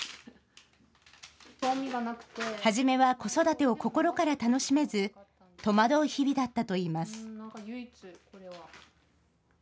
初めは子育てを心から楽しめず戸惑う日々だったといいます。